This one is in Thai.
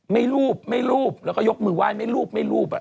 ไม่รูปไม่รูปแล้วก็ยกมือไหว้ไม่รูปไม่รูป